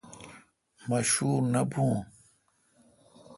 مہ شور نہ بھوں۔